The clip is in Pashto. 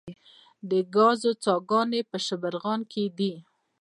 د ګازو څاګانې په شبرغان کې دي